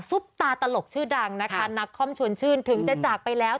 ตาตลกชื่อดังนะคะนักคอมชวนชื่นถึงจะจากไปแล้ว